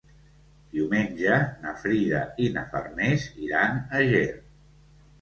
Diumenge na Frida i na Farners iran a Ger.